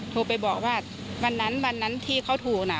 โทรไปบอกว่าวันนั้นวันนั้นที่เขาโทรน่ะ